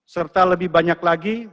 serta lebih banyak lagi